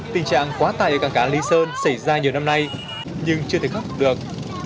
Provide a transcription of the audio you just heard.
tình trạng quá tài ở cảng cá lý sơn xảy ra nhiều năm nay nhưng chưa thể khóc được